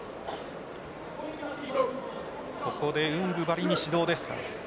ここでウングバリに指導です。